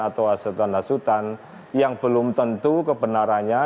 atau asetan asetan yang belum tentu kebenarannya